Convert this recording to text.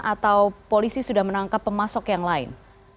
atau polisi sudah menangkap pemasok yang lain